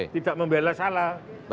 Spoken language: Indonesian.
tidak membela salah